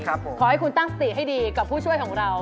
ขอให้คุณตั้งสติให้ดีกับผู้ช่วยของเรา